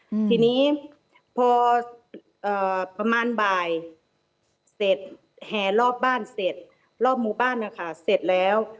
อืมทีนี้พอเอ่อประมาณบ่ายเสร็จแห่รอบบ้านเสร็จรอบหมู่บ้านนะคะเสร็จแล้ว